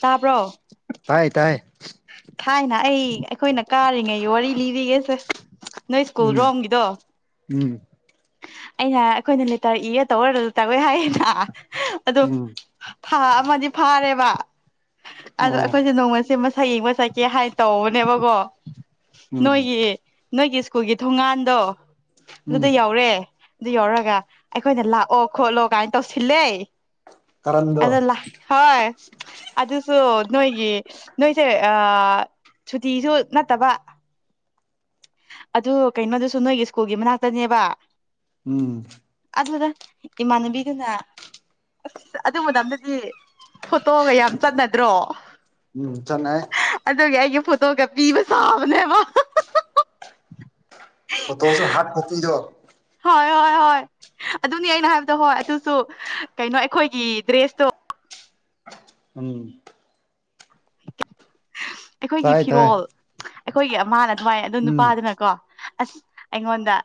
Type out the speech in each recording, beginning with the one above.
ꯇꯥꯕ꯭ꯔꯣ ꯇꯥꯏ ꯇꯥꯏ ꯊꯥꯏꯅ ꯑꯩ ꯑꯩꯈꯣꯏꯅ ꯀꯥꯔꯤꯉꯩꯒꯤ ꯋꯥꯔꯤ ꯂꯤꯔꯤꯒꯦꯁꯦ ꯅꯣꯏ ꯁ꯭ꯀꯨꯜ ꯎꯝ ꯔꯣꯝꯒꯤꯗꯣ ꯎꯝ ꯑꯩꯅ ꯑꯩꯈꯣꯏꯅ ꯂꯦꯇꯔ ꯏꯔ ꯇꯧꯔꯁꯨ ꯇꯧꯋꯦ ꯍꯥꯏꯌꯦꯅ ꯑꯗꯣ ꯎꯝ ꯐꯥ ꯑꯃꯗꯤ ꯐꯥꯔꯦꯕ ꯑꯗꯣ ꯑꯣ ꯑꯩꯈꯣꯏꯁꯦ ꯅꯣꯡꯃꯁꯦ ꯃꯁꯛ ꯌꯦꯡꯕ ꯆꯠꯀꯦ ꯍꯥꯏ ꯇꯧꯕꯅꯦꯕꯀꯣ ꯎꯝ ꯅꯣꯏꯒꯤ ꯅꯣꯏꯒꯤ ꯁ꯭ꯀꯨꯜꯒꯤ ꯊꯣꯡꯒꯥꯟꯗꯣ ꯎꯝ ꯑꯗꯨꯗ ꯌꯧꯔꯦ ꯑꯗꯨ ꯌꯧꯔꯒ ꯑꯩꯈꯣꯏꯅ ꯂꯥꯛꯑꯣ ꯈꯣꯠꯂꯣ ꯀꯥꯏꯅ ꯇꯧꯁꯤꯜꯂꯦ ꯀꯔꯟꯗꯣ ꯑꯗ ꯍꯣꯏ ꯑꯗꯨꯗꯁꯨꯣ ꯅꯣꯏꯒꯤ ꯅꯣꯏꯁꯦ ꯁꯨꯇꯤꯁꯨ ꯅꯠꯇꯕ ꯑꯗꯨ ꯀꯩꯅꯣꯗꯨꯁꯨ ꯅꯣꯏꯒꯤ ꯁ꯭ꯀꯨꯜꯒꯤ ꯃꯅꯥꯛꯇꯅꯦꯕ ꯎꯝ ꯑꯗꯨꯗ ꯏꯃꯥꯟꯅꯕꯤꯗꯨꯅ ꯑꯁ ꯑꯗꯨ ꯃꯇꯝꯗꯗꯤ ꯐꯣꯇꯣꯒ ꯌꯥꯝ ꯆꯠꯅꯗ꯭ꯔꯣ ꯎꯝ ꯆꯅꯦ ꯑꯗꯨꯒꯤ ꯑꯩꯒꯤ ꯐꯣꯇꯣꯒ ꯄꯤꯕ ꯁꯥꯕꯅꯦꯕ ꯐꯣꯇꯣꯁꯨ ꯍꯥꯔꯗ ꯀꯣꯄꯤꯗꯣ ꯍꯣꯏ ꯍꯣꯏ ꯍꯣꯏ ꯑꯗꯨꯅꯤ ꯑꯩꯅ ꯍꯥꯏꯕꯗꯣ ꯍꯣꯏ ꯑꯗꯨꯁꯨ ꯀꯩꯅꯣ ꯑꯩꯈꯣꯏꯒꯤ ꯗ꯭ꯔꯦꯁꯇꯣ ꯎꯝ ꯑꯩꯈꯣꯏꯒꯤ ꯇꯥꯏ ꯇꯥꯏ ꯐꯤꯔꯣꯜ ꯑꯩꯈꯣꯏꯒꯤ ꯑꯃꯅ ꯑꯗꯨꯃꯥꯏ ꯑꯗꯨ ꯎꯝ ꯅꯨꯄꯥꯗꯨꯅꯀꯣ ꯑꯁ ꯑꯩꯉꯣꯟꯗ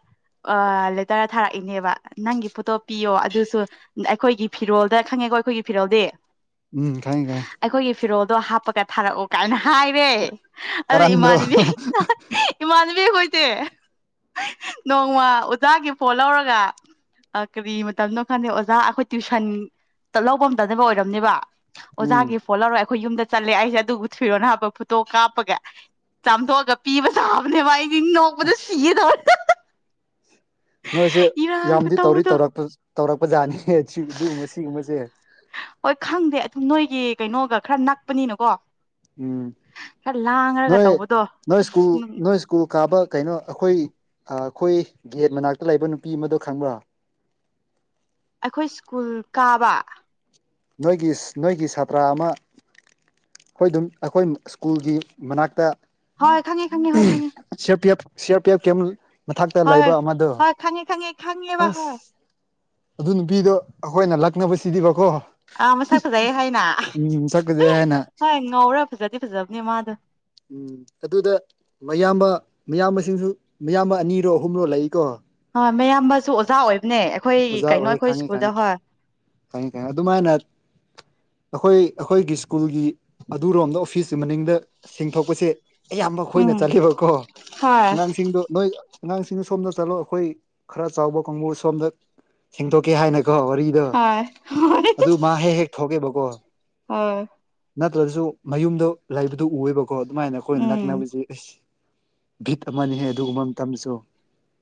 ꯂꯦꯇꯔ ꯊꯥꯔꯛꯏꯅꯦꯕ ꯅꯪꯒꯤ ꯐꯣꯇꯣ ꯄꯤꯌꯣ ꯑꯗꯨꯁꯨ ꯑꯩꯈꯣꯏꯒꯤ ꯐꯤꯔꯣꯜꯗ ꯈꯪꯉꯦꯀꯣ ꯑꯩꯈꯣꯏꯒꯤ ꯐꯤꯔꯣꯜꯗꯤ ꯎꯝ ꯈꯪꯉꯤ ꯒꯥꯏ ꯑꯩꯈꯣꯏꯒꯤ ꯐꯤꯔꯣꯜꯗꯣ ꯍꯥꯞꯄꯒ ꯊꯥꯔꯛꯎ ꯀꯥꯏꯅ ꯍꯥꯏꯔꯦ ꯑꯗꯨꯗꯣ ꯀꯔꯟꯗꯣ ꯏꯃꯥꯟꯅꯕꯤ ꯏꯃꯥꯟꯅꯕꯤ ꯑꯈꯣꯏꯁꯦ ꯅꯣꯡꯃ ꯑꯣꯖꯥꯒꯤ ꯐꯣꯜ ꯂꯧꯔꯒ ꯀꯔꯤ ꯃꯇꯝꯅꯣ ꯈꯪꯗꯦ ꯑꯣꯖꯥ ꯑꯩꯈꯣꯏ ꯇ꯭ꯋꯏꯁꯟ ꯂꯧꯕ ꯑꯝꯇꯅꯦꯅꯕ ꯑꯣꯏꯔꯝꯅꯦꯕ ꯎꯝ ꯑꯣꯖꯥꯒꯤ ꯐꯣꯜ ꯂꯧꯔꯣ ꯑꯩꯈꯣꯏ ꯌꯨꯝꯗ ꯆꯠꯂꯦ ꯑꯩꯁꯦ ꯑꯗꯨ ꯊꯨꯏꯔꯣꯅ ꯍꯥꯏꯕ ꯐꯨꯇꯣ ꯀꯥꯞꯄꯒꯦ ꯆꯥꯝꯊꯣꯛꯑꯒ ꯄꯤꯕ ꯆꯥꯕꯅꯦ ꯃꯥꯏꯗꯣ ꯄꯗ ꯑꯁ ꯁꯤꯒꯦ ꯇꯧꯔꯦ ꯅꯣꯏꯁꯦ ꯏꯔꯥꯡ ꯌꯥꯝꯗꯤ ꯇꯧꯔꯤ ꯈꯨꯇꯧꯗꯣ ꯇꯧꯔꯛꯄ ꯇꯧꯔꯛꯄ ꯖꯥꯠꯅꯤꯍꯦ ꯑꯗꯨꯒꯨꯝꯕ ꯁꯤꯒꯨꯝꯕꯁꯦ ꯍꯣꯏ ꯈꯪꯗꯦ ꯑꯗꯨꯝ ꯅꯣꯏꯒꯤ ꯀꯩꯅꯣꯒ ꯈꯔ ꯅꯛꯄꯅꯤꯅꯀꯣ ꯎꯝ ꯈꯔ ꯂꯥꯡꯉꯒ ꯅꯣꯏ ꯇꯧꯕꯗꯣ ꯅꯣꯏ ꯏꯁꯀꯨꯜ ꯑꯁ ꯅꯣꯏ ꯁ꯭ꯀꯨꯜ ꯀꯥꯕ ꯀꯩꯅꯣ ꯑꯩꯈꯣꯏ ꯑꯩꯈꯣꯏ ꯒꯦꯠ ꯃꯅꯥꯛꯇ ꯂꯩꯕ ꯅꯨꯄꯤ ꯑꯃꯗꯣ ꯈꯪꯕ꯭ꯔꯥ ꯑꯩꯈꯣꯏ ꯁ꯭ꯀꯨꯜ ꯀꯥꯕ ꯅꯣꯏꯒꯤ ꯅꯣꯏꯒꯤ ꯁꯥꯇ꯭ꯔ ꯑꯃ ꯍꯣꯏ ꯑꯗꯨꯝ ꯑꯩꯈꯣꯏ ꯁ꯭ꯀꯨꯜꯒꯤ ꯃꯅꯥꯛꯇ ꯍꯣꯏ ꯈꯪꯉꯦ ꯈꯪꯉꯦ ꯍꯣꯏ ꯈꯪꯉꯦ C R P F C R P F camp ꯃꯊꯛꯇ ꯍꯣꯏ ꯂꯩꯕ ꯍꯣꯏ ꯑꯃꯗꯣ ꯍꯣꯏ ꯈꯪꯉꯦ ꯈꯪꯉꯦ ꯈꯪꯂꯦꯕ ꯍꯣꯏ ꯑꯁ ꯑꯗꯨ ꯅꯨꯄꯤꯗꯣ ꯑꯩꯈꯣꯏꯅ ꯂꯛꯅꯕꯁꯤꯗꯤꯕꯀꯣ ꯑꯥ ꯃꯁꯛ ꯐꯖꯩꯌꯦ ꯍꯥꯏꯅ ꯎꯝ ꯁꯛ ꯐꯖꯩ ꯍꯥꯏꯅ ꯍꯣꯏ ꯉꯧꯔ ꯐꯖꯗꯤ ꯐꯖꯕꯅꯦ ꯃꯥꯗꯣ ꯎꯝ ꯑꯗꯨꯗ ꯃꯌꯥꯝꯕ ꯃꯌꯥꯝꯕꯁꯤꯡꯁꯨ ꯃꯌꯥꯝꯕ ꯑꯅꯤꯔꯣ ꯑꯍꯨꯝꯔꯣ ꯂꯩꯀꯣ ꯍꯣꯏ ꯃꯌꯥꯝꯕꯁꯨ ꯑꯣꯖꯥ ꯑꯣꯏꯕꯅꯦ ꯑꯩꯈꯣꯏ ꯀꯩꯅꯣ ꯑꯩꯈꯣꯏ ꯁ꯭ꯀꯨꯜꯗ ꯍꯣꯏ ꯈꯅꯤ ꯀꯅꯤ ꯑꯗꯨꯃꯥꯏꯅ ꯑꯩꯈꯣꯏ ꯑꯩꯈꯣꯏꯒꯤ ꯁ꯭ꯀꯨꯜꯒꯤ ꯑꯗꯨꯔꯣꯝꯗ ꯑꯣꯐꯤꯁꯀꯤ ꯃꯅꯤꯡꯗ ꯁꯦꯡꯊꯣꯛꯄꯁꯦ ꯑꯌꯥꯝꯕ ꯑꯩꯣꯏꯅ ꯎꯝ ꯆꯠꯂꯦꯕꯀꯣ ꯍꯣꯏ ꯑꯉꯥꯡꯁꯤꯡꯗꯣ ꯅꯣꯏ ꯑꯉꯥꯡꯁꯤꯡꯅ ꯁꯣꯝꯗ ꯆꯠꯂꯣ ꯑꯩꯈꯣꯏ ꯈꯔ ꯆꯥꯎꯕ ꯀꯥꯡꯕꯨ ꯁꯣꯝꯗ ꯁꯦꯡꯗꯣꯛꯀꯦ ꯍꯥꯏꯅꯀꯣ ꯋꯥꯔꯤ ꯗ ꯍꯣꯏ ꯍꯣꯏ ꯑꯗꯨ ꯃꯥ ꯍꯦꯛ ꯍꯦꯛ ꯊꯣꯛꯒꯦꯕꯀꯣ ꯍꯣꯏ ꯅꯠꯇ꯭ꯔꯁꯨ ꯃꯌꯨꯝꯗ ꯂꯩꯕꯗꯨ ꯎꯑꯕꯀꯣ ꯑꯗꯨꯃꯥꯏꯅ ꯑꯩꯈꯣꯏꯅ ꯎꯝ ꯅꯛꯅꯕꯁꯦ ꯑꯁ ꯒꯤꯕꯤꯠ ꯑꯃꯅꯤꯍꯦ ꯑꯗꯨꯒꯨꯝꯕ ꯃꯇꯝꯁꯨ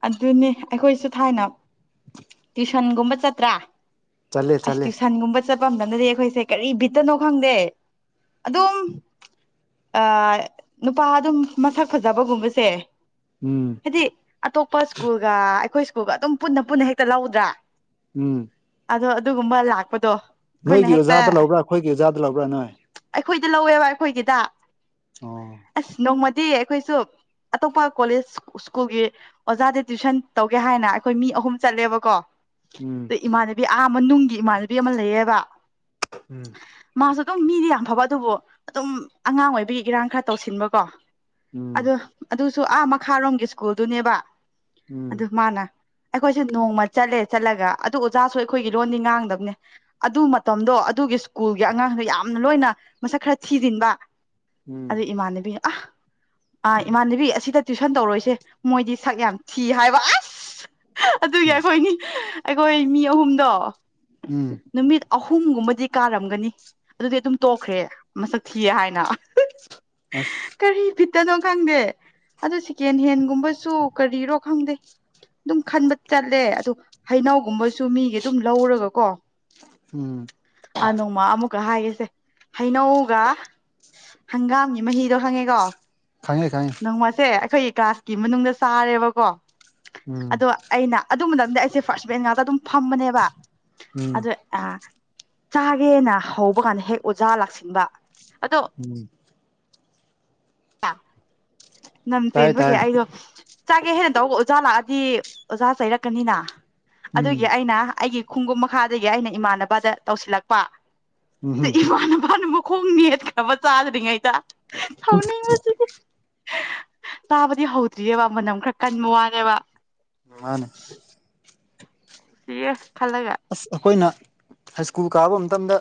ꯑꯗꯨꯅꯤ ꯑꯩꯈꯣꯏꯁꯨ ꯊꯥꯏꯅ ꯇ꯭ꯨꯁꯟꯒꯨꯝꯕ ꯆꯠꯇ꯭ꯔꯥ ꯆꯠꯂꯦ ꯑꯁ ꯆꯠꯂꯦ ꯇ꯭ꯨꯁꯟꯒꯨꯝꯕ ꯆꯠꯄ ꯑꯝ ꯅꯅꯗꯤ ꯑꯩꯈꯣꯏꯁꯦ ꯀꯔꯤ ꯕꯤꯠꯇꯅꯣ ꯈꯪꯗꯦ ꯑꯗꯨꯝ ꯅꯨꯄꯥ ꯑꯗꯨꯝ ꯃꯁꯛ ꯐꯖꯕꯒꯨꯝꯕꯁꯦ ꯎꯝ ꯍꯥꯏꯗꯤ ꯑꯇꯣꯞꯄ ꯁ꯭ꯀꯨꯜꯒ ꯑꯩꯈꯣꯏ ꯁ꯭ꯀꯨꯜꯒ ꯑꯗꯨꯝ ꯄꯨꯟꯅ ꯄꯨꯟꯅ ꯍꯦꯛꯇ ꯂꯧꯗ꯭ꯔꯥ ꯎꯝ ꯑꯗꯣ ꯑꯗꯨꯒꯨꯝꯕ ꯂꯥꯛꯄꯗꯣ ꯑꯩꯈꯣꯏꯅ ꯅꯣꯏꯒꯤ ꯍꯦꯛꯇ ꯑꯣꯖꯥꯗ ꯂꯧꯕ꯭ꯔꯥ ꯑꯩꯈꯣꯏꯒꯤ ꯑꯣꯖꯥꯗ ꯂꯧꯕ꯭ꯔꯥ ꯅꯣꯏ ꯑꯩꯈꯣꯏꯗ ꯂꯧꯋꯦꯕ ꯑꯩꯈꯣꯏꯒꯤꯗ ꯑꯣ ꯑꯁ ꯅꯣꯡꯃꯗꯤ ꯑꯩꯈꯣꯏꯁꯨ ꯑꯇꯣꯞꯄ ꯀꯣꯂꯦꯖ ꯁ꯭ꯀꯨꯜꯒꯤ ꯑꯣꯖꯥꯗꯤ ꯇ꯭ꯋꯨꯁꯟ ꯇꯧꯒꯦ ꯍꯥꯏꯅ ꯑꯩꯈꯣꯏ ꯃꯤ ꯑꯍꯨꯝ ꯆꯠꯂꯦꯕꯀꯣ ꯎꯝ ꯑꯗꯨ ꯏꯃꯥꯟꯅꯕꯤ ꯑꯍꯥ ꯑꯃ ꯅꯨꯡꯒꯤ ꯏꯃꯥꯟꯅꯕꯤ ꯑꯃ ꯂꯩꯌꯦꯕ ꯎꯝ ꯃꯥꯁꯨ ꯑꯗꯨꯝ ꯃꯤꯗꯤ ꯌꯥꯝ ꯐꯕ ꯑꯗꯨꯕꯨ ꯑꯗꯨꯝ ꯑꯉꯥꯡ ꯑꯣꯏꯕꯒꯤ ꯏꯔꯥꯡ ꯈꯔ ꯇꯧꯁꯤꯟꯕꯀꯣ ꯑꯗꯨ ꯎꯝ ꯑꯗꯨꯁꯨ ꯑꯥ ꯃꯈꯥꯔꯣꯝꯒꯤ ꯁ꯭ꯀꯨꯜꯗꯨꯅꯦꯕ ꯑꯗꯨ ꯃꯥꯅ ꯑꯩꯈꯣꯏꯁꯦ ꯅꯣꯡꯃ ꯆꯠꯂꯦ ꯆꯠꯂꯒ ꯑꯗꯨ ꯑꯣꯖꯥꯁꯨ ꯑꯩꯈꯣꯏꯒꯤꯔꯣꯟꯅꯤ ꯉꯥꯡꯗꯕꯅꯦ ꯑꯗꯨ ꯃꯇꯝꯗꯣ ꯑꯗꯨꯒꯤ ꯁ꯭ꯀꯨꯜꯒꯤ ꯑꯉꯥꯡꯒꯩ ꯌꯥꯝꯅ ꯂꯣꯏꯅ ꯃꯁꯛ ꯈꯔ ꯊꯤꯖꯤꯟꯕ ꯎꯝ ꯑꯗꯨ ꯏꯃꯥꯟꯅꯕꯤ ꯑ ꯑꯥ ꯏꯃꯥꯟꯅꯕꯤ ꯑꯁꯤꯗ ꯇꯨꯏꯁꯟ ꯇꯧꯔꯣꯏꯁꯦ ꯃꯣꯏꯗꯤ ꯁꯛ ꯌꯥꯝ ꯊꯤ ꯍꯥꯏꯕ ꯑꯁ ꯑꯗꯨꯒꯤ ꯎꯝ ꯑꯩꯈꯣꯏ ꯑꯩꯈꯣꯏ ꯃꯤ ꯑꯍꯨꯝꯗꯣ ꯎꯝ ꯅꯨꯃꯤꯠ ꯑꯍꯨꯝꯒꯨꯝꯕꯗꯤ ꯀꯥꯔꯝꯒꯅꯤ ꯑꯗꯨꯗꯤ ꯑꯗꯨꯝ ꯇꯣꯛꯈ꯭ꯔꯦ ꯃꯁꯛ ꯊꯤꯌꯦ ꯍꯥꯏꯅ ꯑꯁ ꯀꯔꯤ ꯕꯤꯠꯇꯅꯣ ꯈꯪꯗꯦ ꯑꯗꯨ ꯁꯦꯀꯦꯟ ꯍꯦꯟꯒꯨꯝꯕꯁꯨ ꯀꯔꯤꯔꯣ ꯈꯪꯗꯦ ꯑꯗꯨꯝ ꯈꯟꯕ ꯆꯠꯂꯦ ꯑꯗꯨ ꯍꯩꯅꯧꯒꯨꯝꯕꯁꯨ ꯃꯤꯒꯤ ꯑꯗꯨꯝ ꯂꯧꯔꯒ ꯀꯣ ꯎꯝ ꯑꯥ ꯅꯣꯡꯃ ꯑꯃꯨꯛꯀ ꯍꯥꯏꯒꯦꯁꯦ ꯍꯩꯅꯧꯒ ꯍꯪꯒꯥꯝꯒꯤ ꯃꯍꯤꯗꯣ ꯈꯪꯉꯦꯀꯣ ꯈꯪꯉꯦ ꯈꯉꯦ ꯅꯣꯡꯃꯁꯦ ꯑꯩꯈꯣꯏꯒꯤ ꯀ꯭ꯂꯥꯁꯀꯤ ꯃꯅꯨꯡꯗ ꯆꯥꯔꯦꯕꯀꯣ ꯎꯝ ꯑꯗꯣ ꯑꯩꯅ ꯑꯗꯨ ꯃꯇꯝꯗꯤ ꯑꯩꯁꯦ ꯐꯥꯔꯁ ꯕꯦꯟ ꯉꯥꯛꯇ ꯑꯗꯨꯝ ꯐꯝꯕꯅꯦꯕ ꯎꯝ ꯑꯗ ꯑ ꯆꯥꯒꯦꯅ ꯍꯧꯕ ꯀꯥꯟꯗ ꯍꯦꯛ ꯑꯣꯖꯥ ꯂꯥꯛꯁꯤꯟꯕ ꯑꯗꯣ ꯎꯝ ꯇꯥꯏ ꯇꯥꯏ [inaudible] ꯑꯩꯗꯣ ꯆꯥꯒꯦ ꯍꯦꯟꯅ ꯇꯧꯕ ꯑꯣꯖꯥ ꯂꯥꯛꯑꯗꯤ ꯑꯣꯖꯥ ꯆꯩꯔꯛꯀꯅꯤꯅ ꯎꯝ ꯑꯗꯨꯒꯤ ꯑꯩꯅ ꯑꯩꯒꯤ ꯈꯨꯡꯒꯨꯝ ꯃꯈꯥꯗꯒꯤ ꯑꯩꯅ ꯏꯃꯥꯟꯅꯕꯗ ꯇꯧꯁꯤꯜꯂꯛꯄ ꯎꯝ ꯍꯨꯝ ꯈꯣꯡ ꯌꯦꯠꯈꯕ ꯆꯥꯗ꯭ꯔꯤꯉꯩꯗ [unintelligible] ꯇꯥꯕꯗꯤ ꯍꯧꯗ꯭ꯔꯤꯑꯕ ꯃꯅꯝ ꯈꯔ ꯀꯟꯕ ꯋꯥꯅꯦꯕ ꯃꯥꯅꯦ ꯁꯤꯌꯦ ꯈꯜꯂꯒ ꯑꯁ ꯑꯩꯈꯣꯏꯅ ꯍꯥꯏ ꯁ꯭ꯀꯨꯜ ꯀꯥꯕ ꯃꯇꯝꯗ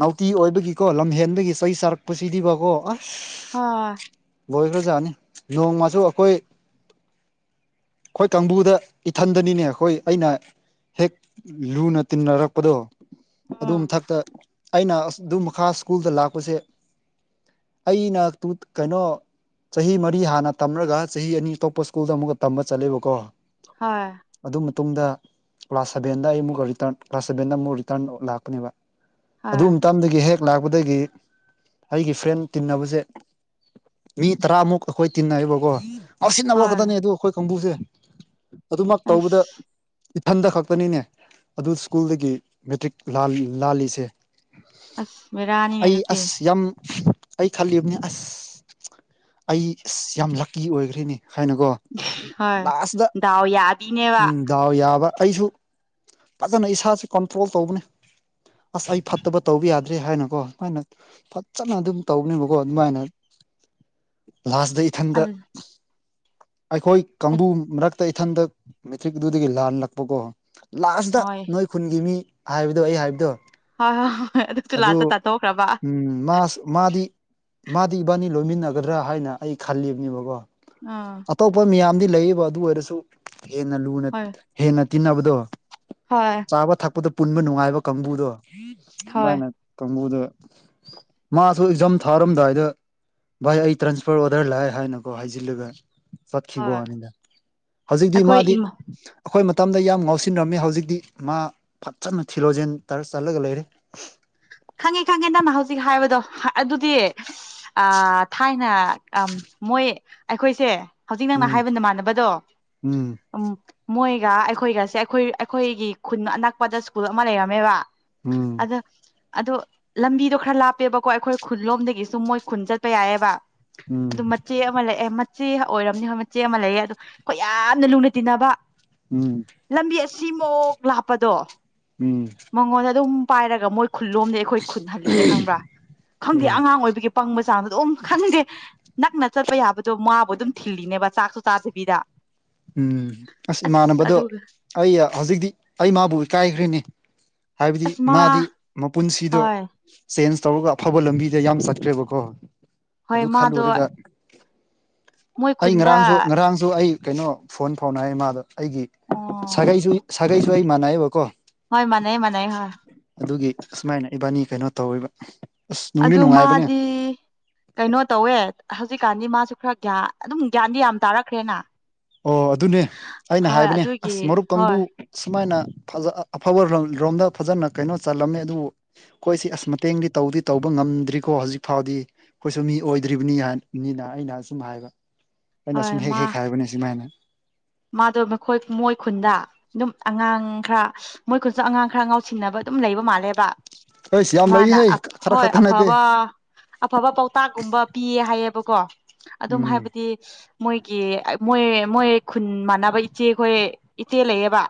ꯅꯥꯎꯇꯤ ꯑꯣꯏꯕꯒꯤꯀꯣ ꯂꯝꯍꯦꯟꯕꯒꯤ ꯆꯩ ꯆꯥꯔꯛꯄꯁꯤꯗꯤꯕꯀꯣ ꯑꯁ ꯍꯥ ꯂꯣꯏꯕꯖꯥꯅꯤ ꯅꯣꯡꯃꯁꯨ ꯑꯩꯈꯣꯏ ꯑꯩꯈꯣꯏ ꯀꯥꯡꯕꯨꯗ ꯏꯊꯟꯗꯅꯤꯅꯦ ꯑꯩꯈꯣꯏ ꯑꯩꯅ ꯍꯦꯛ ꯂꯨꯅ ꯇꯤꯟꯅꯔꯛꯄꯗꯣ ꯑꯗꯨ ꯎꯝ ꯃꯊꯛꯇ ꯑꯩꯅ ꯑꯁ ꯗꯨ ꯃꯈꯥ ꯁ꯭ꯀꯨꯜꯗ ꯂꯥꯛꯄꯁꯦ ꯑꯩꯅ ꯇꯨ ꯀꯩꯅꯣ ꯆꯍꯤ ꯃꯔꯤ ꯍꯥꯟꯅ ꯇꯝꯔꯒ ꯆꯍꯤ ꯑꯅꯤ ꯑꯇꯣꯞꯄ ꯁ꯭ꯀꯨꯜꯗ ꯑꯃꯨꯛꯀ ꯇꯝꯕ ꯆꯠꯂꯦꯕꯀꯣ ꯍꯣꯏ ꯑꯗꯨ ꯃꯇꯨꯡꯗ ꯀ꯭ꯂꯥꯁ ꯁꯚꯦꯟꯗ ꯑꯩ ꯑꯃꯨꯛꯀ ꯔꯤꯇꯟ ꯀ꯭ꯂꯥꯁ ꯁꯚꯦꯟꯗ ꯑꯃꯨꯛ ꯔꯤꯇꯔꯟ ꯂꯥꯛꯀꯅꯦꯕ ꯑꯗꯨ ꯍꯣꯏ ꯃꯇꯝꯗꯒꯤ ꯍꯦꯛ ꯂꯥꯛꯄꯗꯒꯤ ꯑꯩꯒꯤ ꯐ꯭ꯔꯦꯟ ꯇꯤꯟꯅꯕꯁꯦ ꯃꯤ ꯇꯔꯥꯃꯨꯛ ꯑꯈꯣꯏ ꯇꯤꯟꯅꯩꯕꯀꯣ ꯉꯥꯎꯁꯤꯟꯅꯕ ꯍꯣꯏ ꯈꯇꯅꯦ ꯑꯗꯨ ꯑꯩꯈꯣꯏ ꯀꯥꯡꯕꯨꯁꯦ ꯑꯗꯨꯃꯛ ꯇꯧꯕꯗ ꯑꯁ ꯏꯊꯟꯗ ꯈꯛꯇꯅꯤꯅꯦ ꯑꯗꯨ ꯁ꯭ꯀꯨꯜꯗꯒꯤ ꯃꯦꯇ꯭ꯔꯤꯛ ꯂꯥꯜ ꯂꯥꯜꯂꯤꯁꯦ ꯑꯁ ꯕꯦꯔꯥꯅꯤꯅꯦ ꯑꯩ ꯑꯗꯨꯗꯤ ꯑꯁ ꯌꯥꯝ ꯑꯩ ꯈꯜꯂꯤꯕ ꯑꯁ ꯑꯩ ꯑꯁ ꯌꯥꯝ ꯂꯛꯀꯤ ꯑꯣꯏꯈ꯭ꯔꯦꯅꯦ ꯍꯥꯏꯅꯀꯣ ꯍꯣꯏ ꯂꯥꯁꯗ ꯗꯥꯎ ꯌꯥꯕꯤꯅꯦꯕ ꯎꯝ ꯗꯥꯎ ꯌꯥꯕ ꯑꯩꯁꯨ ꯐꯖꯅ ꯏꯁꯥꯁꯦ ꯀꯟꯇ꯭ꯔꯣꯜ ꯇꯧꯕꯅꯤ ꯑꯁ ꯑꯩ ꯐꯠꯇꯕ ꯇꯧꯕ ꯌꯥꯗ꯭ꯔꯦ ꯍꯥꯏꯅꯀꯣ ꯑꯗꯨꯃꯥꯏꯅ ꯐꯖꯅ ꯑꯗꯨꯝ ꯇꯧꯅꯦꯕꯀꯣ ꯑꯗꯨꯃꯥꯏꯅ ꯂꯥꯁꯇ ꯏꯊꯟꯗ ꯑꯗꯨ ꯑꯩꯈꯣꯏ ꯍꯣꯏ ꯀꯥꯡꯕꯨ ꯃꯔꯛ ꯇꯩꯊꯟꯗ ꯃꯦꯇ꯭ꯔꯤꯛ ꯑꯗꯨꯗꯒꯤ ꯂꯥꯜꯂꯛꯄꯀꯣ ꯂꯥꯁꯗ ꯍꯣꯏ ꯅꯣꯏ ꯈꯨꯟꯒꯤ ꯃꯤ ꯍꯥꯏꯕꯗꯣ ꯑꯩ ꯍꯥꯏꯕꯗꯣ ꯑ ꯍ‌ꯣꯏ ꯑꯗꯨ ꯎꯝ ꯃꯥꯁꯨ ꯃꯥꯗꯤ ꯃꯥꯗꯤ ꯏꯕꯥꯅꯤ ꯂꯣꯏꯃꯤꯟꯅꯒꯗ꯭ꯔꯥ ꯍꯥꯏꯅ ꯑꯩ ꯈꯜꯂꯤꯕꯅꯦꯕꯀꯣ ꯑꯥ ꯇꯣꯞꯄ ꯃꯤꯌꯥꯝꯗꯤ ꯂꯩꯕ ꯑꯗꯨ ꯑꯣꯏꯔꯁꯨ ꯍꯦꯟꯅ ꯂꯨꯅ ꯍꯣꯏ ꯍꯦꯟꯅ ꯇꯤꯟꯅꯕꯗꯣ ꯍꯣꯏ ꯆꯥꯕ ꯊꯛꯄꯗ ꯄꯨꯟꯕ ꯅꯨꯡꯉꯥꯏꯕ ꯀꯥꯡꯕꯨꯗꯣ ꯍꯣꯏ ꯑꯃꯥꯏꯅ ꯀꯥꯡꯕꯨꯗꯣ ꯃꯥꯁꯨ ꯑꯦꯛꯖꯥꯝ ꯊꯥꯔꯝꯗꯥꯏꯗ ꯚꯥꯏ ꯑꯩ ꯇ꯭ꯔꯥꯟꯁꯐꯔ ꯑꯣꯔꯗꯔ ꯂꯥꯛꯑꯦ ꯍꯥꯏꯅꯀꯣ ꯍꯥꯏꯖꯤꯜꯂꯒ ꯍꯣꯏ ꯆꯠꯈꯤꯕꯋꯥꯅꯤꯗ ꯍꯧꯖꯤꯛꯇꯤ ꯑꯩꯈꯣꯏ ꯃꯥꯗꯤ ꯏꯃꯥ ꯑꯈꯣꯏ ꯃꯇꯝꯗ ꯌꯥꯝ ꯉꯥꯎꯁꯤꯟꯅꯔꯝꯃꯤ ꯍꯧꯖꯤꯛꯇꯤ ꯃꯥ ꯐꯖꯅ ꯊꯤꯔꯣꯖꯦꯟ ꯇꯔ ꯆꯠꯂꯒ ꯂꯩꯔꯦ ꯈꯪꯉꯦ ꯈꯪꯉꯦ ꯅꯪꯅ ꯍꯧꯖꯤꯛ ꯍꯥꯏꯕꯗꯣ ꯑꯗꯨꯗꯤ ꯑ ꯊꯥꯏꯅ ꯑ ꯃꯣꯏ ꯑꯩꯈꯣꯏꯁꯦ ꯍꯧꯖꯤꯛ ꯅꯪꯅ ꯎꯝ ꯍꯥꯏꯕ ꯅꯃꯥꯟꯅꯕꯗꯣ ꯎꯝ ꯃꯣꯏꯒ ꯑꯩꯈꯣꯏꯒꯁꯦ ꯑꯩꯈꯣꯏ ꯑꯩꯈꯣꯏꯒꯤ ꯈꯨꯟ ꯑꯅꯛꯄꯗ ꯁ꯭ꯀꯨꯜ ꯑꯃ ꯂꯩꯔꯝꯃꯦꯕ ꯎꯝ ꯑꯗꯣ ꯂꯝꯕꯤꯗꯣ ꯈꯔ ꯂꯥꯞꯄꯦꯕꯀꯣ ꯑꯩꯈꯣꯏ ꯈꯨꯟꯂꯣꯝꯗꯒꯤꯁꯨ ꯃꯣꯏ ꯈꯨꯟ ꯆꯠꯄ ꯌꯥꯏꯌꯦꯕ ꯎꯝ ꯑꯗꯨ ꯃꯆꯦ ꯑꯃ ꯂꯩꯑꯦ ꯃꯆꯦ ꯑꯣꯏꯔꯝꯅꯤ ꯍꯣꯏ ꯃꯆꯦ ꯑꯃ ꯂꯩꯑꯦ ꯑꯗꯨ ꯑꯩꯈꯣꯏ ꯌꯥꯝꯅ ꯂꯨꯅ ꯇꯤꯟꯅꯕ ꯎꯝ ꯂꯝꯕꯤ ꯑꯁꯤꯃꯣꯛ ꯂꯥꯞꯄꯗꯣ ꯎꯝ ꯃꯣꯉꯣꯟꯗ ꯑꯗꯨꯝ ꯄꯥꯏꯔꯒ ꯃꯣꯏ ꯈꯨꯜꯂꯣꯝꯗ ꯑꯩꯈꯣꯏ ꯈꯨꯟ ꯍꯜꯂꯤꯅꯦ ꯈꯪꯕ꯭ꯔꯥ ꯈꯪꯗꯦ ꯎꯝ ꯑꯉꯥꯡ ꯑꯣꯏꯕꯒꯤ ꯄꯪꯕ ꯆꯥꯡꯗ‌ꯣ ꯑꯗꯨꯣꯝ ꯈꯪꯗꯦ ꯅꯛꯅ ꯆꯠꯄ ꯌꯥꯕꯗꯣ ꯃꯥꯕꯨ ꯑꯗꯨꯝ ꯊꯤꯜꯂꯤꯅꯦꯕ ꯆꯥꯛꯁꯨ ꯆꯗꯕꯤꯗ ꯎꯝ ꯑꯁ ꯏꯃꯥꯟꯅꯕꯗꯣ ꯑꯗꯨꯒ ꯑꯩ ꯍꯧꯖꯤꯛꯇꯤ ꯑꯩ ꯃꯥꯕꯨ ꯏꯀꯥꯏꯈ꯭ꯔꯤꯅꯤ ꯍꯥꯏꯕꯗꯤ ꯑꯁ ꯃꯥ ꯃꯥꯗꯤ ꯃꯄꯨꯟꯁꯤꯗꯣ ꯍꯣꯏ ꯆꯦꯟꯖ ꯇꯧꯔꯒ ꯑꯐꯕ ꯂꯝꯕꯤꯗ ꯌꯥꯝ ꯆꯠꯈ꯭ꯔꯦꯕꯀꯣ ꯍꯣꯏ ꯑꯗꯨ ꯃꯥꯗꯣ ꯈꯜꯂꯨꯔꯒ ꯃꯣꯏ ꯑꯩ ꯈꯨꯟꯗ ꯉꯔꯥꯡꯁꯨ ꯉꯔꯥꯡꯁꯨ ꯑꯩ ꯀꯩꯅꯣ ꯐꯣꯟ ꯐꯥꯎꯅꯩꯌꯦ ꯃꯥꯒ ꯑꯩꯒꯤ ꯑꯣ ꯁꯥꯒꯩꯁꯨ ꯁꯥꯒꯩꯁꯨ ꯑꯩ ꯃꯥꯟꯅꯩꯑꯕꯀꯣ ꯍ‌ꯣꯏ ꯃꯥꯟꯅꯩ ꯃꯥꯟꯅꯩ ꯍ ꯑꯗꯨꯒꯤ ꯑꯁꯨꯃꯥꯏꯅ ꯏꯕꯥꯅꯤ ꯀꯩꯅꯣ ꯇꯧꯔꯤꯕ ꯑꯁ ꯅꯨꯡꯗꯤ ꯑꯗꯨ ꯅꯨꯡꯉꯥꯏꯕꯅꯦ ꯃꯥꯗꯤ ꯀꯩꯅꯣ ꯇꯧꯋꯦ ꯍꯧꯖꯤꯛꯀꯥꯟꯗꯤ ꯃꯥꯁꯨ ꯈꯔꯒꯌꯥ ꯑꯗꯨꯝ ꯒ꯭ꯌꯥꯟꯗꯤ ꯌꯥꯝ ꯇꯥꯔꯛꯈ꯭ꯔꯦꯅ ꯑꯣ ꯑꯗꯨꯅꯦ ꯑꯩꯅ ꯍꯣꯏ ꯍꯥꯏꯕꯅꯦ ꯑꯗꯨꯒꯤ ꯑꯁ ꯃꯔꯨꯞ ꯀꯥꯡꯕꯨ ꯍꯣꯏ ꯁꯨꯃꯥꯏꯅ ꯐꯖ ꯑꯐꯕ ꯔꯣꯝꯗ ꯐꯖꯅ ꯀꯩꯅꯣ ꯆꯜꯂꯝꯃꯦ ꯑꯗꯨꯕꯨ ꯈꯣꯏꯁꯤ ꯑꯁ ꯃꯇꯦꯡꯗꯤ ꯇꯧꯗꯤ ꯇꯧꯕ ꯉꯝꯗ꯭ꯔꯤꯀꯣ ꯍꯧꯖꯤꯛ ꯐꯥꯎꯗꯤ ꯑꯩꯈꯣꯏꯁꯨ ꯃꯤ ꯑꯣꯏꯗ꯭ꯔꯤꯕꯅꯤ ꯃꯤꯅ ꯑꯩꯅ ꯁꯨꯝ ꯍꯥꯏꯕ ꯑꯩꯅ ꯍꯣꯏ ꯁꯨꯝ ꯍꯦꯛ ꯃꯥ ꯍꯦꯛ ꯍꯥꯏꯕꯅꯤ ꯁꯨꯃꯥꯏꯅ ꯃꯥꯗꯣ ꯃꯈꯣꯏ ꯃꯣꯏ ꯈꯨꯟꯗ ꯑꯗꯨꯝ ꯑꯉꯥꯡ ꯈꯔ ꯃꯣꯏ ꯈꯨꯟꯁꯨ ꯑꯉꯥꯡ ꯈꯔ ꯉꯥꯎꯁꯤꯟꯅꯕ ꯑꯗꯨꯝ ꯂꯩꯕ ꯃꯥꯜꯂꯦꯕ ꯑꯩꯁ ꯌꯥꯝ ꯃꯥꯅꯥ ꯂꯩꯍꯦ ꯈꯔ ꯍꯣꯏ ꯈꯛꯇ ꯅꯠꯇꯦ ꯑꯐꯕ ꯑꯐꯕ ꯄꯥꯎꯇꯥꯛꯒꯨꯝꯕ ꯄꯤꯌꯦ ꯍꯥꯏꯌꯦꯕꯀꯣ ꯑꯗꯨꯝ ꯎꯝ ꯍꯥꯏꯕꯗꯤ ꯃꯣꯏꯒꯤ ꯃꯣꯏ ꯃꯣꯏ ꯈꯨꯟ ꯃꯥꯟꯅꯕ ꯏꯆꯦꯈꯣꯏ ꯏꯆꯦ ꯂꯩꯌꯦꯕ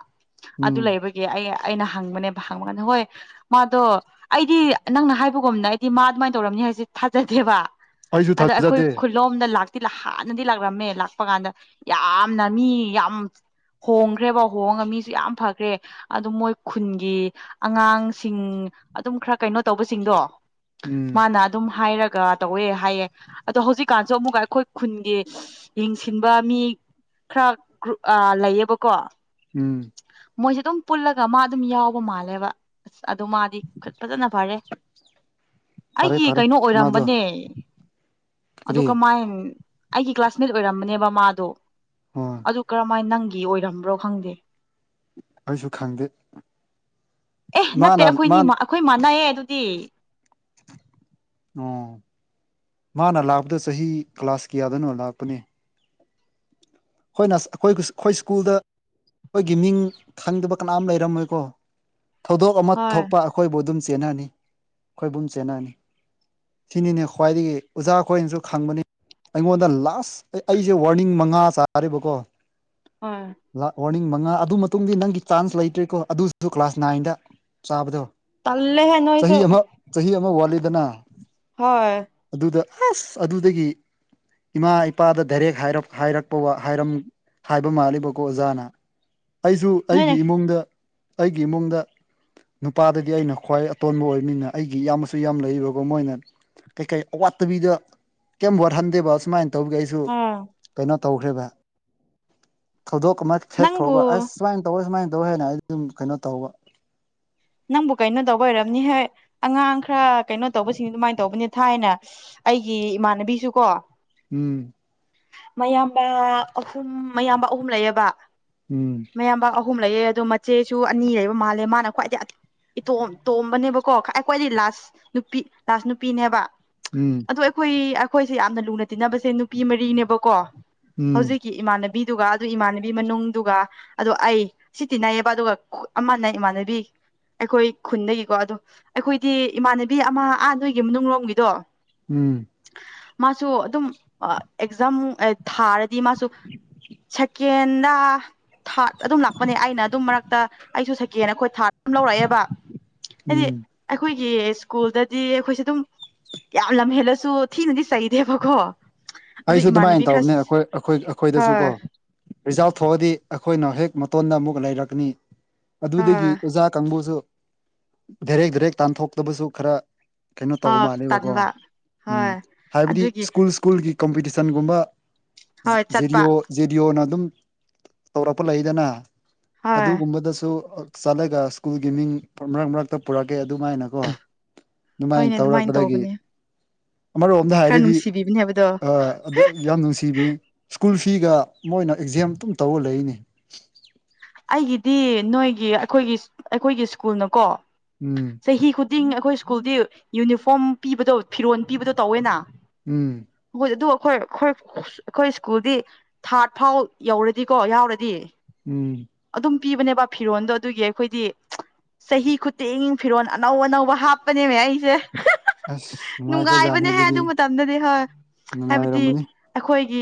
ꯑꯗꯨ ꯎꯝ ꯂꯩꯕꯒꯤ ꯑꯩ ꯑꯩꯅ ꯍꯪꯕꯅꯦꯕ ꯍꯪꯕꯒꯥꯟꯗ ꯍꯣꯏ ꯃꯥꯗꯣ ꯑꯩꯗꯤ ꯅꯪꯅ ꯍꯥꯏꯕꯒꯨꯝꯅ ꯑꯩꯗꯤ ꯃꯥ ꯑꯗꯨꯃꯥꯏꯅ ꯇꯧꯔꯝꯅꯤ ꯍꯥꯏꯖ‌ꯦ ꯊꯥꯖꯗꯦꯕ ꯑꯩꯁꯨ ꯑꯗ ꯑꯩꯈꯣꯏ ꯊꯥꯖꯗꯦ ꯈꯨꯜꯂꯣꯝꯗ ꯂꯥꯛꯇꯤ ꯍꯥꯟꯅꯗꯤ ꯂꯥꯛꯂꯝꯃꯦ ꯂꯥꯛꯄ ꯀꯥꯟꯗ ꯌꯥꯝ ꯅꯃꯤ ꯌꯥꯝ ꯍꯣꯡꯈ꯭ꯔꯦꯕ ꯍꯣꯡꯉꯒ ꯃꯤꯁꯨ ꯌꯥꯝ ꯐꯈ꯭ꯔꯦ ꯑꯗꯨ ꯃꯣꯏ ꯈꯨꯟꯒꯤ ꯑꯉꯥꯡꯁꯤꯡ ꯑꯗꯨꯝ ꯈꯔ ꯀꯩꯅꯣ ꯇꯧꯕꯁꯤꯡꯗꯣ ꯎꯝ ꯃꯥꯅ ꯑꯗꯨꯝ ꯍꯥꯏꯔꯒ ꯇꯧꯋꯦ ꯍꯥꯏꯌꯦ ꯑꯗꯣ ꯍꯧꯖꯤꯛꯀꯥꯟꯁꯨ ꯑꯃꯨꯛꯀ ꯑꯩꯈꯣꯏ ꯈꯨꯟꯒꯤ ꯌꯦꯡꯁꯤꯟꯕ ꯃꯤ ꯈꯔ ꯒ꯭ꯔꯨꯞ ꯂꯩꯌꯦꯕꯀꯣ ꯎꯝ ꯃꯣꯏꯖꯦ ꯗꯨꯝ ꯄꯨꯜꯂꯒ ꯃꯥ ꯑꯗꯨꯝ ꯌꯥꯎꯕ ꯃꯥꯜꯂꯦꯕ ꯑꯗꯨ ꯃꯥꯗꯤ ꯐꯖꯅ ꯐꯔꯦ ꯐꯔꯦ ꯑꯩꯒꯤ ꯐꯔꯦ ꯀꯩꯅꯣ ꯃꯥꯗꯣ ꯑꯣꯏꯔꯝꯕꯅꯦ ꯑꯗꯨ ꯀꯔꯤ ꯀꯃꯥꯏ ꯑꯩꯒꯤ ꯀ꯭ꯂꯥꯁꯃꯦꯠ ꯑꯣꯏꯔꯝꯕꯅꯦꯕ ꯃꯥꯗꯣ ꯑꯣ ꯑꯗꯨ ꯀꯔꯝꯍꯥꯏꯅ ꯅꯪꯒꯤ ꯑꯣꯏꯔꯝꯕ꯭ꯔꯣ ꯈꯪꯗꯦ ꯑꯩꯁꯨ ꯈꯪꯗꯦ ꯃꯥꯅ ꯃꯥ ꯈꯣꯏ ꯃꯥꯟꯅꯩꯌꯦ ꯑꯗꯨꯗꯤ ꯑꯣ ꯃꯥꯅ ꯂꯥꯛꯄꯗꯨ ꯆꯍꯤ ꯀ꯭ꯂꯥꯁ ꯀꯌꯥꯗꯅꯣ ꯂꯥꯛꯄꯅꯦ ꯑꯩꯈꯣꯏ ꯅ ꯑꯩꯈꯣꯏ ꯑꯩꯈꯣꯏ ꯁ꯭ꯀꯨꯜꯗ ꯈꯣꯏꯒꯤ ꯃꯤꯡ ꯈꯪꯗꯕ ꯀꯅꯥꯝ ꯂꯩꯔꯝꯃꯣꯏꯀꯣ ꯊꯧꯗꯣꯛ ꯑꯃ ꯍꯣꯏ ꯊꯣꯛꯄ ꯑꯩꯈꯣꯏꯕꯨ ꯑꯗꯨꯝ ꯆꯦꯟꯅꯅꯤ ꯑꯩꯈꯣꯏꯕꯨ ꯆꯦꯟꯅꯅꯤ ꯁꯤꯅꯤꯅꯦ ꯈ꯭ꯋꯥꯏꯗꯒꯤ ꯑꯣꯖꯥ ꯈꯣꯏꯅꯁꯨ ꯈꯪꯕꯅꯤ ꯑꯩꯉꯣꯟꯗ ꯂꯥꯁ ꯑꯩ ꯑꯩꯁꯦ ꯋꯥꯔꯅꯤꯡ ꯃꯉꯥ ꯆꯥꯔꯤꯕꯀꯣ ꯍꯣꯏ ꯂꯥ ꯋꯥꯔꯅꯤꯡ ꯃꯉꯥ ꯑꯗꯨ ꯃꯇꯨꯡꯗꯤ ꯅꯪꯒꯤ ꯆꯥꯟꯁ ꯂꯩꯇ꯭ꯔꯦꯀꯣ ꯑꯗꯨꯁꯨ ꯀ꯭ꯂꯥꯁ ꯅꯥꯏꯟꯗ ꯆꯥꯕꯗꯣ ꯇꯜꯂꯦꯍꯦ ꯆꯍꯤ ꯅꯣꯏꯁꯦ ꯑꯃ ꯆꯍꯤ ꯑꯃ ꯋꯥꯠꯂꯤꯗꯅ ꯍꯣꯏ ꯑꯗꯨꯗ ꯑꯁ ꯑꯗꯨꯗꯒꯤ ꯏꯃꯥ ꯏꯄꯥꯗ ꯗꯥꯏꯔꯦꯛ ꯍꯥꯏꯔꯛ ꯍꯥꯏꯔꯝ ꯍꯥꯏꯕ ꯃꯥꯜꯂꯤꯕꯀꯣ ꯑꯣꯖꯥꯅ ꯑꯩꯁꯨ ꯅꯣꯏꯅꯦ ꯑꯩꯒꯤ ꯏꯃꯨꯡꯗ ꯑꯩꯒꯤ ꯏꯃꯨꯡꯗ ꯅꯨꯄꯥꯗꯗꯤ ꯑꯩꯅ ꯈ꯭ꯋꯥꯏ ꯑꯇꯣꯟꯕ ꯑꯣꯏꯕꯅꯤꯅ ꯑꯩꯒꯤ ꯏꯌꯥꯝꯃꯁꯨ ꯌꯥꯝ ꯂꯩꯕꯒꯣ ꯃꯣꯏꯅ ꯀꯩ ꯀꯩ ꯑꯋꯥꯠꯇꯕꯤꯗ ꯀꯩꯝ ꯋꯥꯠꯍꯟꯗꯦꯕ ꯑꯨꯃꯥꯏꯅ ꯇꯧꯕ ꯒꯤ ꯑꯩꯁꯨ ꯍꯣꯏ ꯀꯩꯅꯣ ꯇꯧꯈ꯭ꯔꯦꯕ ꯊꯧꯗꯣꯛ ꯑꯃ ꯁꯦꯛ ꯅꯪꯕꯨ ꯐꯥꯎꯕ ꯑꯁ ꯁꯨꯃꯥꯏꯅ ꯇꯧꯔ ꯁꯨꯃꯥꯏꯅ ꯇꯧꯋꯦ ꯍꯥꯏꯅ ꯑꯩ ꯑꯗꯨꯝ ꯀꯩꯅꯣ ꯇꯧꯕ ꯅꯪꯕꯨ ꯀꯩꯅꯣ ꯇꯧꯕ ꯑꯣꯏꯔꯝꯅꯤ ꯍꯣꯏ ꯑꯉꯥꯡ ꯈꯔ ꯀꯩꯅꯣ ꯇꯧꯕꯁꯤꯡ ꯑꯗꯨꯃꯥꯏꯅ ꯇꯧꯕꯅꯤ ꯊꯥꯏꯅ ꯑꯩꯒꯤ ꯏꯃꯥꯟꯅꯕꯤꯁꯨ ꯀꯣ ꯎꯝ ꯃꯌꯥꯝꯕ ꯑꯍꯨꯝ ꯃꯌꯥꯝꯕ ꯑꯍꯨꯝ ꯂꯩꯌꯦꯕ ꯎꯝ ꯃꯥꯌꯥꯝꯕ ꯑꯍꯨꯝ ꯂꯩꯌꯦ ꯑꯗꯣ ꯃꯆꯦꯁꯨ ꯑꯅꯤ ꯂꯩꯕ ꯃꯥꯜꯂꯦ ꯃꯥꯅ ꯈ꯭ꯋꯥꯏꯗꯒꯤ ꯏꯇꯣꯝ ꯇꯣꯝꯕꯅꯦꯕꯀꯣ ꯈꯥꯏ ꯈ꯭ꯋꯥꯏꯗꯩ ꯂꯥꯁ ꯅꯨꯄꯤ ꯂꯥꯁ ꯅꯨꯄꯤꯅꯦꯕ ꯎꯝ ꯑꯗꯣ ꯑꯩꯈꯣꯏ ꯑꯩꯈꯣꯏꯁꯦ ꯌꯥꯝꯅ ꯂꯨꯅ ꯇꯤꯟꯅꯕꯁꯦ ꯅꯨꯄꯤ ꯃꯔꯤꯅꯦꯕꯀꯣ ꯎꯝ ꯍꯧꯖꯤꯛꯀꯤ ꯏꯃꯥꯟꯅꯕꯤꯗꯨꯒ ꯑꯗꯨ ꯏꯃꯥꯟꯅꯕꯤ ꯃꯅꯨꯡꯗꯨꯒ ꯑꯗ ꯑꯩ ꯁꯤ ꯇꯤꯟꯅꯩꯌꯦꯕ ꯑꯗꯨꯒ ꯑꯃꯅ ꯏꯃꯥꯟꯅꯕꯤ ꯑꯩꯈꯣꯏ ꯈꯨꯟꯗꯒꯤꯀꯣ ꯑꯗꯣ ꯑꯩꯈꯣꯏꯗꯤ ꯏꯃꯥꯟꯅꯕꯤ ꯑꯃ ꯑ ꯅꯣꯏꯒꯤ ꯃꯅꯨꯡꯂꯣꯝꯒꯤꯗꯣ ꯎꯝ ꯃꯥꯁꯨ ꯑꯗꯨꯝ ꯑꯦꯛꯖꯥꯝ ꯊꯥꯔꯗꯤ ꯃꯥꯁꯨ ꯁꯛ ꯁꯦꯀꯦꯟꯗ ꯊꯥꯔꯠ ꯑꯗꯨꯝ ꯂꯥꯛꯄꯅꯦ ꯑꯩꯅ ꯑꯗꯨꯝ ꯃꯔꯛꯇ ꯑꯩꯁꯨ ꯁꯦꯀꯦꯟ ꯑꯩꯈꯣꯏ ꯊꯥꯔꯠ ꯌꯥꯝ ꯂꯧꯔꯛꯑꯦꯕ ꯍꯥꯏꯗꯤ ꯎꯝ ꯑꯩꯈꯣꯏꯒꯤ ꯁ꯭ꯀꯨꯜꯗꯗꯤ ꯑꯩꯈꯣꯏꯁꯦ ꯑꯗꯨꯝ ꯌꯥꯝ ꯂꯝꯍꯦꯜꯂꯁꯨ ꯊꯤꯅꯗꯤ ꯁꯩꯗꯦꯕꯀꯣ ꯑꯩꯁꯨ ꯑꯗꯨꯃꯥꯏꯅ ꯇꯧꯕꯅꯦ ꯑꯩꯈꯣꯏ ꯑꯩꯈꯣꯏ ꯑꯩꯈꯣꯏꯗꯁꯨ ꯀꯣ ꯍꯣꯏ ꯔꯤꯖꯥ ꯊꯣꯛꯑꯗꯤ ꯑꯩꯈꯣꯏꯅ ꯍꯦꯛ ꯃꯇꯣꯟꯗ ꯑꯃꯨꯛ ꯂꯩꯔꯛꯀꯅꯤ ꯑꯗꯨꯗꯒꯤ ꯍꯣꯏ ꯑꯣꯖꯥ ꯀꯥꯡꯕꯨꯁꯨ ꯦꯔꯦꯛ ꯦꯔꯦꯛ ꯇꯥꯟꯊꯣꯛꯇꯕꯁꯨ ꯈꯔ ꯀꯩꯅꯣ ꯇꯧꯕ ꯍꯣꯏ ꯃꯥꯜꯂꯕꯀꯣ ꯇꯟꯕ ꯎꯝ ꯍꯣꯏ ꯍꯥꯏꯕꯗꯤ ꯑꯗꯨꯒꯤ ꯁ꯭ꯀꯨꯜ ꯁ꯭ꯀꯨꯜꯒꯤ ꯀꯝꯄꯤꯇꯤꯁꯟꯒꯨꯝꯕ ꯍꯣꯏ ꯆꯠꯄ ꯖꯤꯦꯔꯤꯑꯣ ꯖꯦꯗꯤꯑꯣꯅ ꯑꯗꯨꯝ ꯇꯧꯔꯛꯄ ꯂꯩꯗꯅ ꯍꯣꯏ ꯑꯗꯨꯒꯨꯝꯕꯗꯁꯨ ꯆꯠꯂꯒ ꯁ꯭ꯀꯨꯜꯒꯤ ꯃꯤꯡ ꯃꯔꯛ ꯃꯔꯛꯇ ꯄꯨꯔꯛꯀꯦ ꯑꯗꯨꯃꯥꯏꯅ ꯀꯣ ꯍꯣꯏꯅꯦ ꯑꯗꯨꯃꯥꯏꯅ ꯇꯧꯔꯛꯄꯗꯒꯤ ꯇꯧꯕꯅꯦ ꯑꯃꯔꯣ ꯑꯝꯗ ꯍꯥꯏꯔꯗꯤ ꯗꯤꯕꯤꯅꯦ ꯍꯥꯏꯕꯗꯣ ꯑꯥ ꯑꯗꯨ ꯌꯥꯝ ꯅꯨꯡꯁꯤꯕꯤ ꯁ꯭ꯀꯨꯜ ꯐꯤꯒ ꯃꯣꯏꯅ ꯑꯦꯛꯖꯥꯝ ꯑꯗꯨꯝ ꯇꯧꯔ ꯂꯩꯅꯦ ꯑꯩꯒꯤꯗꯤ ꯅꯣꯏꯒꯤ ꯑꯩꯈꯣꯏꯒꯤ ꯑꯩꯈꯣꯏꯒꯤ ꯁ꯭ꯀꯨꯜꯅꯀꯣ ꯎꯝ ꯆꯍꯤ ꯈꯨꯗꯤꯡ ꯑꯩꯈꯣꯏ ꯁ꯭ꯀꯨꯜꯗꯤ ꯌꯨꯅꯤꯐꯣꯔꯝ ꯄꯤꯕꯗꯣ ꯐꯤꯔꯣꯜ ꯄꯤꯕꯗꯣ ꯇꯧꯋꯦꯅ ꯎꯝ ꯍꯣꯏ ꯑꯗꯨ ꯑꯩꯈꯣꯏ ꯑꯩꯈꯣꯏ ꯑꯩꯈꯣꯏ ꯁ꯭ꯀꯨꯜꯗꯤ ꯊꯥꯔꯠ ꯐꯥꯎ ꯌꯧꯔꯗꯤꯀꯣ ꯌꯥꯎꯔꯗꯤ ꯎꯝ ꯑꯗꯨꯝ ꯄꯤꯕꯅꯦꯕ ꯐꯤꯔꯣꯟꯜꯗꯣ ꯑꯗꯨꯒꯤ ꯑꯩꯈꯣꯏꯗꯤ ꯆꯍꯤ ꯈꯨꯗꯤꯡ ꯐꯤꯔꯣꯜ ꯑꯅꯧ ꯑꯅꯧꯕ ꯍꯥꯞꯄꯅꯦꯃꯦ ꯑꯩꯁꯦ ꯑꯁ ꯅꯨꯡꯉꯥꯏꯈ꯭ꯔꯖꯥꯠꯅꯤ ꯅꯨꯡꯉꯥꯏꯕꯅꯦꯍ ꯑꯗꯨꯗꯤ ꯑꯗꯨ ꯃꯇꯝꯗꯗꯤ ꯍꯣꯏ ꯍꯥꯏꯕꯗꯤ ꯅꯨꯡꯉꯥꯏꯔꯝꯃꯅꯤ ꯑꯩꯈꯣꯏꯒꯤ